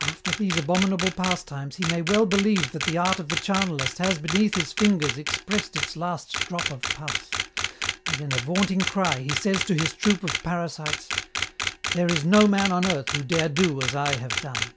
"After these abominable pastimes he may well believe that the art of the charnalist has beneath his fingers expressed its last drop of pus, and in a vaunting cry he says to his troop of parasites, "There is no man on earth who dare do as I have done.'